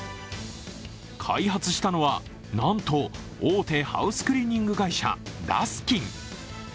開発したのは、なんと大手ハウスクリーニング会社、ダスキン。